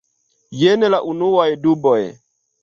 Jen la unuaj duboj.